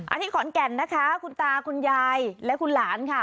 ที่ขอนแก่นนะคะคุณตาคุณยายและคุณหลานค่ะ